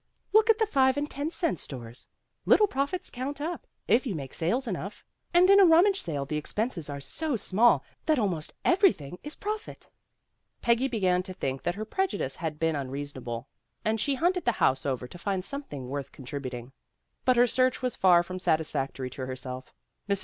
"Look at the five and ten cent stores. Little profits count up, if you make sales enough. 72 PEGGY RAYMOND'S WAY And in a rummage sale the expenses are so small that almost everything is profit." Peggy began to think that her prejudice had been unreasonable, and she hunted the house over to find something worth contributing. But her search was far from satisfactory to herself. Mrs.